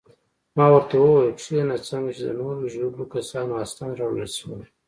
ما ورته وویل: کښېنه، څنګه چې د نورو ژوبلو کسانو اسناد راوړل شول.